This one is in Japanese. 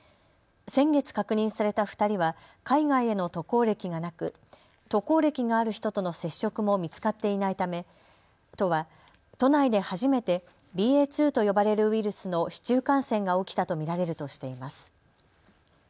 先月確認された２人は海外への渡航歴がなく渡航歴がある人との接触も見つかっていないため都は都内で初めてＢＡ．２と呼ばれるウイルスの市中感染が起きたと見られるとしています。